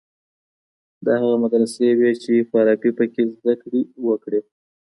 دا هغه مدرسې وې چي فارابي په کي زده کړه کړې.